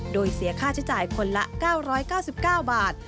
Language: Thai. โดยเสียค่าใช้จ่ายคนละ๙๙๙บาท